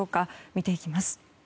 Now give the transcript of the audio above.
見ていきます。